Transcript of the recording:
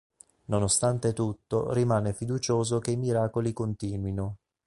Nonostante tutto rimane fiducioso che i miracoli continuino.